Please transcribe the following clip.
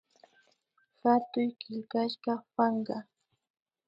Hatuy killkashka panka